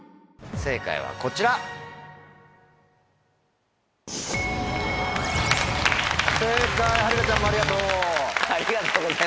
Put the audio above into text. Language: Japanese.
正解はるかちゃんもありがとう。